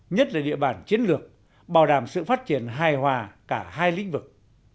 nhất là địa bàn chiến lược bảo đảm sự phát triển hài hòa cả hai lĩnh vực